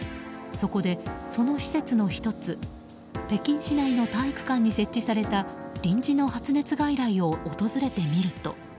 そこで、その施設の１つ北京市内の体育館に設置された臨時の発熱外来を訪れてみると。